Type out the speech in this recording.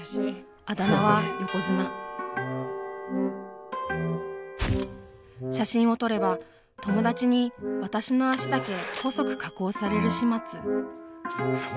あだ名は写真を撮れば友達に私の脚だけ細く加工される始末。